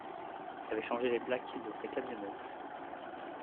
Il avait changé les plaques de sa camionnette.